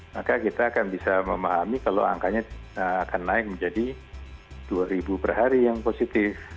maka kita akan bisa memahami kalau angkanya akan naik menjadi dua ribu per hari yang positif